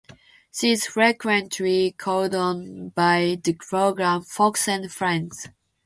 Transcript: She is frequently called on by the program "Fox and Friends".